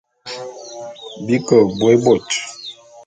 Bi ke bôé bôt.